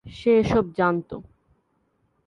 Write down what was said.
সে এসব জানত।